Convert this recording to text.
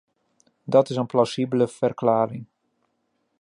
Dat is een plausibele verklaring.